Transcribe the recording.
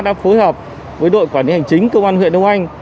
công an xã đã phối hợp với đội quản lý hành chính công an huyện đông anh